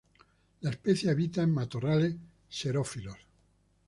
La especie habita en matorrales xerófilos.